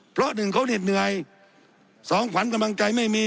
เพราะหนึ่งเขาเหน็ดเหนื่อยสองขวัญกำลังใจไม่มี